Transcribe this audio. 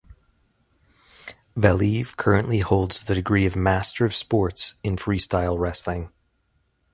Valiev currently holds the degree of Master of Sports in freestyle wrestling.